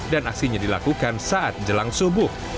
dan aksinya dilakukan saat jelang subuh